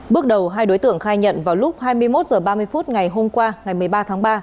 bước đầu hai đối tượng khai nhận vào lúc hai mươi một h ba mươi phút ngày hôm qua ngày một mươi ba tháng ba